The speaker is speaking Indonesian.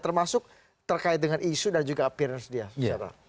termasuk terkait dengan isu dan juga appearance dia